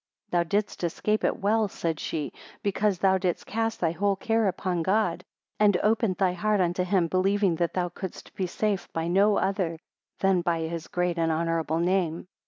17 Thou didst escape it well, said she, because thou didst cast thy whole care upon God, and opened thy heart unto him, believing that thou couldst be safe by no other than by his great and honourable name.